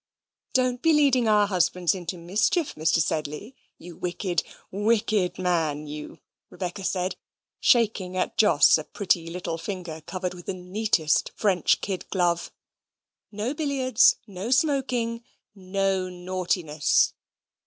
"Don't be leading our husbands into mischief, Mr. Sedley, you wicked, wicked man you," Rebecca said, shaking at Jos a pretty little finger covered with the neatest French kid glove. "No billiards, no smoking, no naughtiness!"